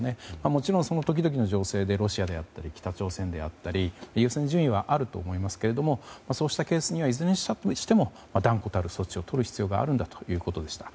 もちろん、その時々の情勢でロシアであったり北朝鮮であったり優先順位はあると思いますけどそうしたケースにはいずれにしても断固たる措置をとる必要があるんだということでした。